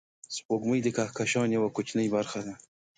سپوږمۍ د کهکشان یوه کوچنۍ برخه ده